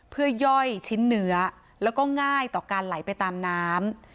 เพื่อย่อยชิ้นเนื้อแล้วก็ง่ายต่อการไหลไปตามน้ำ